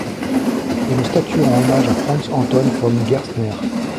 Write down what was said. Une statue rend hommage à Franz Anton von Gerstner.